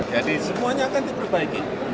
jadi semuanya akan diperbaiki